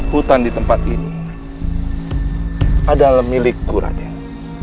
hutan di tempat ini adalah milikku raden